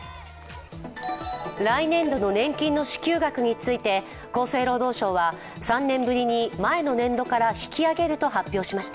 来年度の年金の支給額について、厚生労働省は３年ぶりに前の年度から引き上げると発表しました。